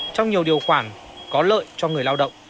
trong nhiều điều khoản có lợi cho người lao động